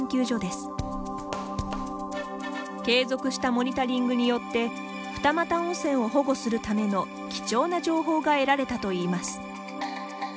継続したモニタリングによって二岐温泉を保護するための貴重な情報が得られたといいます。